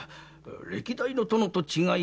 歴代の殿と違い